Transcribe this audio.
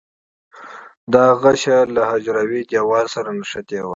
دا غشا له حجروي دیوال سره نښتې وي.